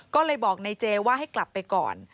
ก็เลยบอกในเจว่าให้กลับไปก่อน